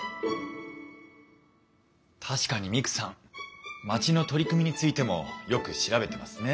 確かにミクさん町の取り組みについてもよく調べてますね。